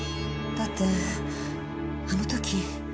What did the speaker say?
だってあの時。